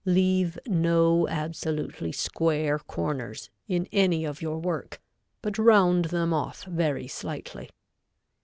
Leave no absolutely square corners in any of your work, but round them off very slightly.